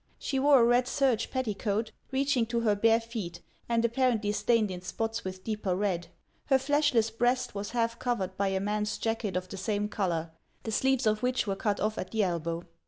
She wore a red serge petticoat, reaching to her bare feet, and apparently stained in spots with deeper red. Her fleshless breast was half covered by a man's jacket of the same color, the sleeves of which were cut off at the elbow.